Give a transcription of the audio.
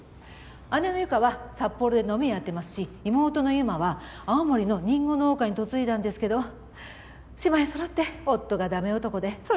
姉の結花は札幌で飲み屋やってますし妹の由真は青森のリンゴ農家に嫁いだんですけど姉妹そろって夫がダメ男でそれはそれで苦労して。